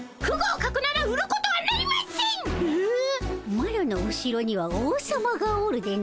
マロの後ろには王様がおるでの。